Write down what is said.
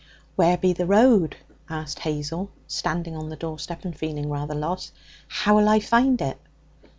'Where be the road?' asked Hazel, standing on the door step and feeling rather lost. 'How'll I find it?'